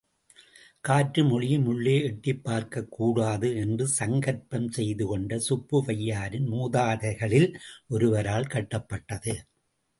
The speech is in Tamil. காற்றும் ஒளியும் உள்ளே எட்டிப் பார்க்கக் கூடாது என்று சங்கற்பம் செய்து கொண்ட சுப்புவையாரின் மூதாதைகளில் ஒருவரால் கட்டப்பட்டது.